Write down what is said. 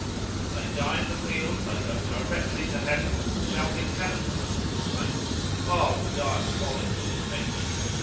If they die in the field, they go directly to heaven, and shall be canonised for saints. (O diabolical invention!)